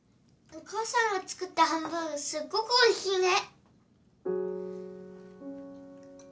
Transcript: お母さんが作ったハンバーグすっごくおいしいね。